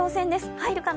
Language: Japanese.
入るかな？